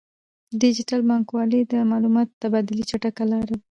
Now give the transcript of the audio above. ډیجیټل بانکوالي د معلوماتو د تبادلې چټکه لاره ده.